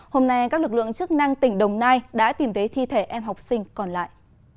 hôm nay các lực lượng chức năng tỉnh đồng nai đã tìm thấy thi thể em học sinh còn lại